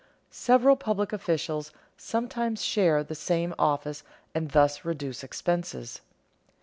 Several public officials sometimes share the same office and thus reduce expenses.